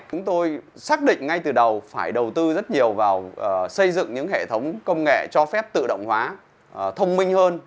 chúng tôi xác định ngay từ đầu phải đầu tư rất nhiều vào xây dựng những hệ thống công nghệ cho phép tự động hóa thông minh hơn